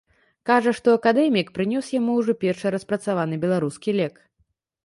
Кажа, што акадэмік прынёс яму ўжо першы распрацаваны беларускі лек.